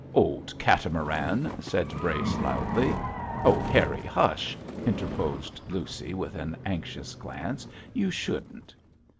'Old catamaran!' said Brace, loudly. 'Oh, Harry! Hush!' interposed Lucy, with an anxious glance, 'You shouldn't.'